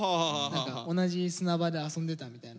同じ砂場で遊んでたみたいな。